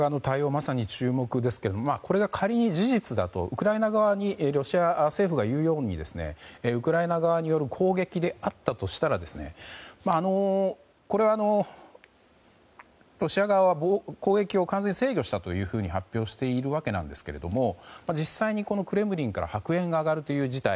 まさに注目ですけどこれが仮に事実だとウクライナ側にロシア政府が言うようにウクライナ側による攻撃であったとしたらこれは、ロシア側は攻撃を完全に制御したと発表しているわけですけれども実際にクレムリンから白煙が上がるという事態